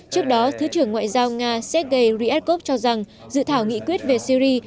trước đó thứ trưởng ngoại giao nga sergei ryevov cho rằng dự thảo nghị quyết về syri